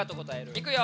いくよ。